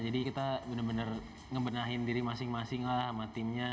jadi kita bener bener ngebenahin diri masing masing lah sama timnya